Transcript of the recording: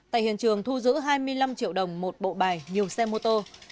tại hiện trường thu giữ hai mươi năm triệu đồng một bộ bài nhiều xe mô tô